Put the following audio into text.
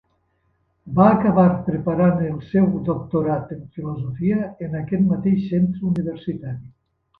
Va acabar preparant el seu doctorat en Filosofia en aquest mateix centre universitari.